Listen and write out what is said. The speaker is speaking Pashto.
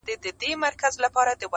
او باطن قضاوت سخت کار وي